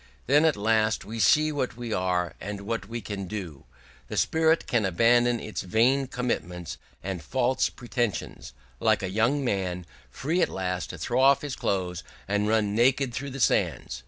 Then at last we see what we are and what we can do. The spirit can abandon its vain commitments and false pretensions, like a young man free at last to throw off his clothes and run naked along the sands.